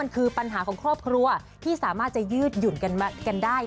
คือปัญหาของครอบครัวที่สามารถจะยืดหยุ่นกันได้